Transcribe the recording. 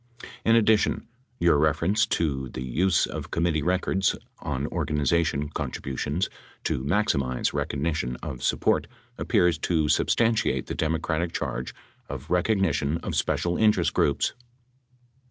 In addition, your reference to the use of committee records on organization contributions to maximize recognition of sup port appears to substantiate the Democratic charge of recog nition of special interest groups.